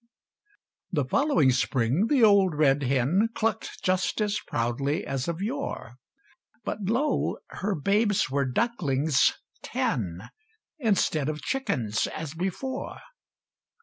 The following spring the old red hen Clucked just as proudly as of yore But lo! her babes were ducklings ten, Instead of chickens as before!